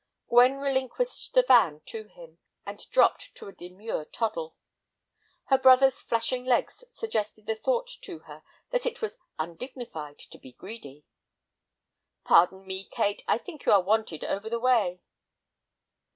Gwen relinquished the van to him, and dropped to a demure toddle. Her brother's flashing legs suggested the thought to her that it was undignified to be greedy. "Pardon me, Kate, I think you are wanted over the way."